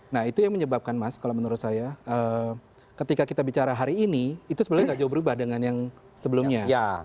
nah itu yang menyebabkan mas kalau menurut saya ketika kita bicara hari ini itu sebenarnya tidak jauh berubah dengan yang sebelumnya